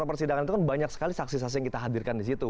di persidangan itu kan banyak sekali saksi saksi yang kita hadirkan di situ